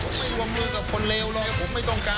ผมไม่วงมือกับคนเลวเลยผมไม่ต้องการ